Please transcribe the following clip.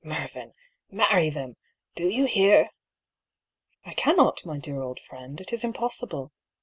" Mervyn, marry them ! Do you hear ?" "I cannot, my dear old friend; it is impossible.